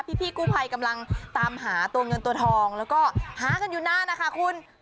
พี่กู้ภัยกำลังตามหาตัวเงินตัวทองแล้วก็หากันอยู่นานนะคะคุณ